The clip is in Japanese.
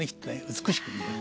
美しく見える。